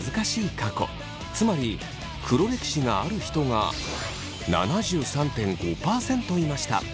過去つまり黒歴史がある人が７３．５％いました。